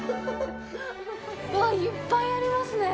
うわっ！いっぱいありますねぇ！